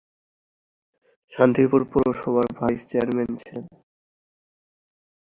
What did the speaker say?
শান্তিপুর পৌরসভার vice chairman ছিলেন।